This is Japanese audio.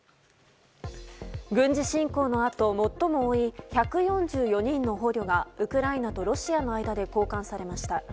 軍事侵攻のあと、最も多い１４４人の捕虜がウクライナとロシアの間で交換されました。